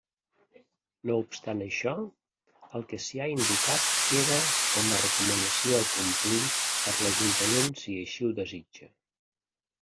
No obstant això, el que s'hi ha indicat queda com a recomanació a complir per l'ajuntament si així ho desitja.